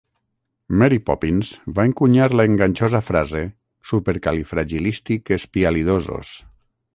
Mary Poppins va encunyar l'enganxosa frase Supercalifragilistic-espialidosos.